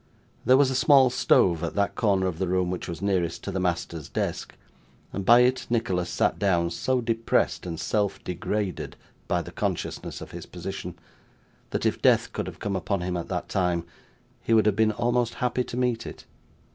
There was a small stove at that corner of the room which was nearest to the master's desk, and by it Nicholas sat down, so depressed and self degraded by the consciousness of his position, that if death could have come upon him at that time, he would have been almost happy to meet it.